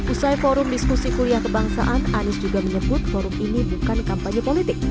usai forum diskusi kuliah kebangsaan anies juga menyebut forum ini bukan kampanye politik